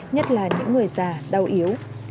nhất là những người già đau yếu